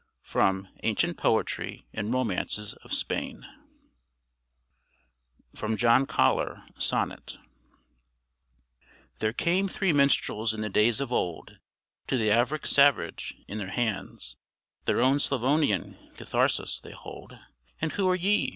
From 'Ancient Poetry and Romances of Spain.' FROM JOHN KOLLAR SONNET There came three minstrels in the days of old To the Avaric savage in their hands Their own Slavonian citharas they hold: "And who are ye!"